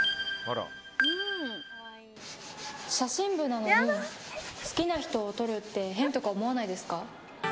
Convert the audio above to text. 写真部なのに好きな人を撮るって変とか思わないですか？